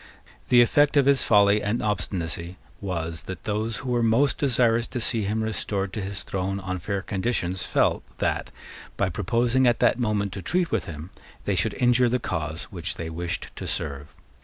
The effect of his folly and obstinacy was that those who were most desirous to see him restored to his throne on fair conditions felt that, by proposing at that moment to treat with him, they should injure the cause which they wished to serve.